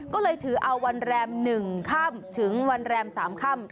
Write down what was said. ก็เลยถือเอาวันแรม๑ค่ำถึงวันแรม๓ค่ำ